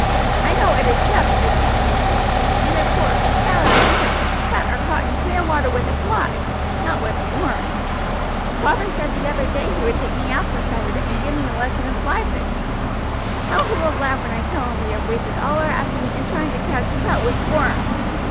I know it is trout that they catch in this stream, and of course, now I think of it, trout are caught in clear water with a fly, not with a worm. Father said the other day he would take me out some Saturday and give me a lesson in fly fishing. How he will laugh when I tell him we have wasted all our afternoon in trying to catch trout with worms!"